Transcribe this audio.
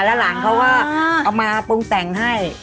แล้วหลังเขาก็เอามาปรุงแต่งให้